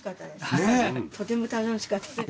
とても楽しかったです。